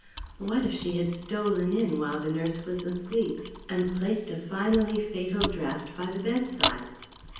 _What if she had stolen in while the nurse was asleep and placed a finally fatal draught by the bedside?